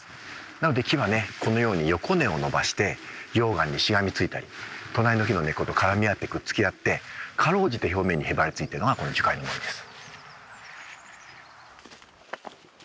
なので木はねこのように横根を伸ばして溶岩にしがみついたり隣の木の根っこと絡み合ってくっつき合ってかろうじて表面にへばりついてるのがこの樹海の森です。